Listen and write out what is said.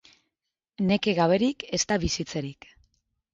Neke gaberik, ez da bizitzerik.